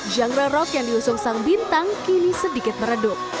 genre rock yang diusung sang bintang kini sedikit meredup